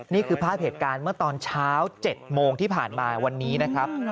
นี่คือภาพเหตุการณ์เมื่อตอนเช้า๗โมงที่ผ่านมาวันนี้นะครับ